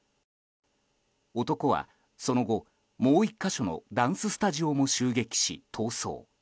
男はその後、もう１か所のダンススタジオも襲撃し逃走。